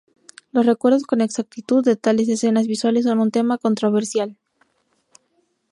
Los recuerdos con exactitud de tales escenas visuales son un tema controversial.